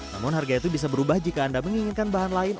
namun harga itu bisa berubah jika anda menginginkan bahan lain